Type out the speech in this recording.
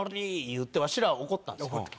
言ってワシらを怒ったんですよ